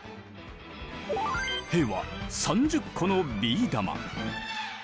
兵は３０個のビー玉。